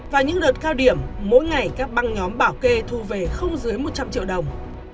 và những đợt cao điểm mỗi ngày các băng nhóm bảo kê thu về không dưới một trăm linh triệu đồng